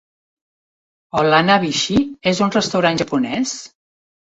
El Hanabishi és un restaurant japonès?